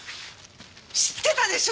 知ってたでしょ？